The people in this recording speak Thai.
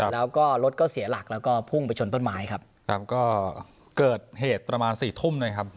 แล้วก็รถก็เสียหลักแล้วก็พุ่งไปชนต้นไม้ครับครับก็เกิดเหตุประมาณสี่ทุ่มนะครับ